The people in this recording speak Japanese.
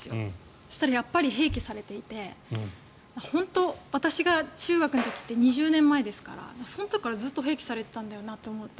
そしたら、やっぱり併記されていて本当に私が中学の時って２０年前ですからその時からずっと併記されていたんだよなと思うと。